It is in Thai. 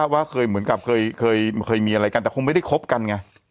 ว่าเคยเหมือนกับเคยมีอะไรกันแต่คงไม่ได้คบกันไง